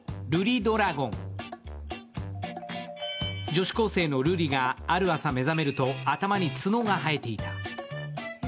女子高生のルリがある朝、目覚めると、頭に角が生えていた。